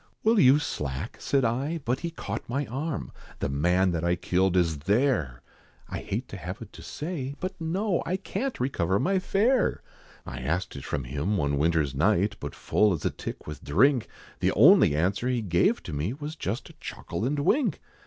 "Will you slack?" said I, but he caught my arm "The man that I killed is there! I hate to have it to say. But no, I can't recover my fare! I asked it from him one winter's night, But full as a tick with drink, The only answer he gave to me, Was just a chuckle and wink.